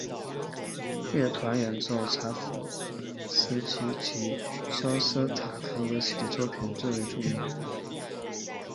乐团演奏柴可夫斯基及肖斯塔科维奇的作品最为著名。